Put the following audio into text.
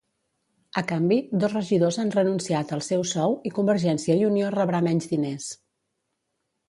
A canvi, dos regidors han renunciat al seu sou i Convergiència i Unió rebrà menys diners.